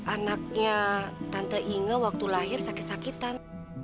anaknya tante inge waktu lahir sakit sakitan